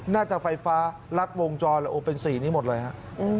น่าจะไฟฟ้ารัดวงจรเป็น๔นี้หมดเลยครับ